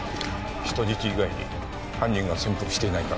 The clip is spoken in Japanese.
人質以外に犯人が潜伏していないか確認中だ。